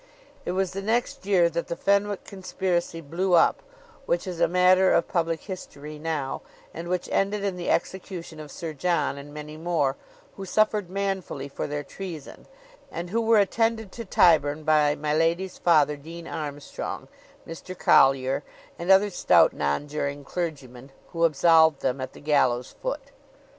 It was the next year that the Fenwick conspiracy blew up, which is a matter of public history now, and which ended in the execution of Sir John and many more, who suffered manfully for their treason, and who were attended to Tyburn by my lady's father Dean Armstrong, Mr. Collier, and other stout nonjuring clergymen, who absolved them at the gallows foot.